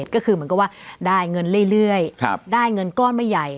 ก็คือเหมือนกับว่าได้เงินเรื่อยได้เงินก้อนไม่ใหญ่